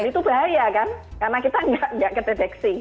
dan itu bahaya kan karena kita tidak terdeteksi